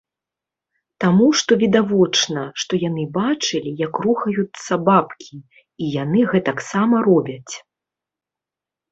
Таму што відавочна, што яны бачылі, як рухаюцца бабкі, і яны гэтаксама робяць.